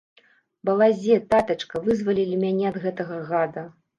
Балазе, татачка, вызвалілі мяне ад гэтага гада.